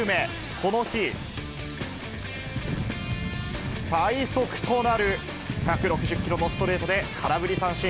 この日、最速となる１６０キロのストレートで空振り三振。